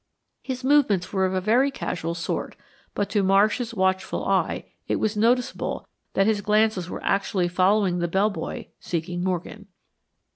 His movements were of a very casual sort, but to Marsh's watchful eye it was noticeable that his glances were actually following the bell boy seeking Morgan.